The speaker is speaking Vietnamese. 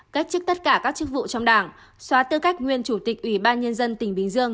cách chức tất cả các chức vụ trong đảng xóa tư cách nguyên chủ tịch ủy ban nhân dân tỉnh bình dương